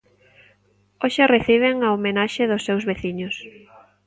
Hoxe reciben a homenaxe dos seus veciños.